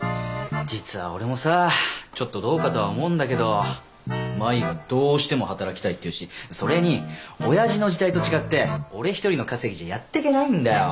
実は俺もさちょっとどうかとは思うんだけど麻衣がどうしても働きたいって言うしそれにオヤジの時代と違って俺一人の稼ぎじゃやってけないんだよ。